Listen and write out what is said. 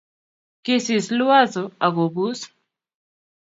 Kisis Liwazo akobus